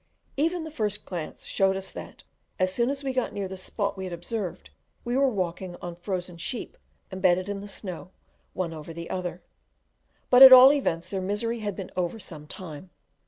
Even the first glance showed us that, as soon as we got near the spot we had observed, we were walking on frozen sheep embedded in the snow one over the other; but at all events their misery had been over some time.